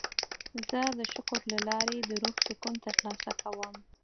زه د شکر له لارې د روح سکون ترلاسه کوم.